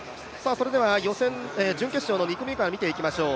準決勝の２組目から見ていきましょう。